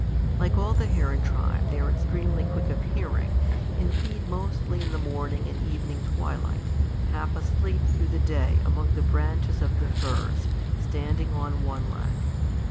Like all the heron tribe, they are extremely quick of hearing, and feed mostly in the morning and evening twilight, half asleep through the day among the branches of the firs, standing on one leg.